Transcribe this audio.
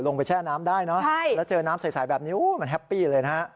แช่น้ำได้เนอะแล้วเจอน้ำใสแบบนี้มันแฮปปี้เลยนะฮะ